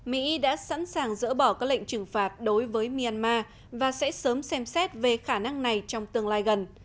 mỹ đã sẵn sàng dỡ bỏ các lệnh trừng phạt đối với myanmar và sẽ sớm xem xét về khả năng này trong tương lai gần